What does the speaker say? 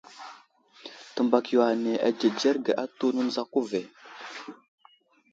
Təmbak yo ane adzədzerge atu, nənzako ve.